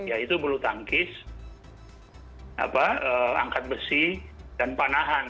yaitu bulu tangkis angkat besi dan panahan